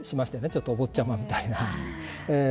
ちょっとお坊ちゃまみたいな。